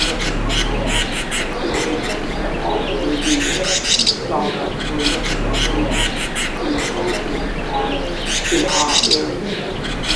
Excavations have also revealed Songguk-ri settlements in the Ulsan and Gimhae areas.